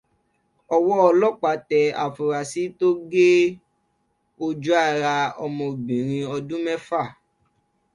Ọwọ́ ọlọ́pàá tẹ afurasí tó gé ojú-ara ọmọdébìnrin ọdún mẹ́fà.